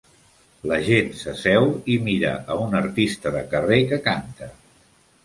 La gent s'asseu i mira a un artista de carrer que canta.